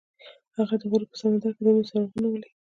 هغه د غروب په سمندر کې د امید څراغ ولید.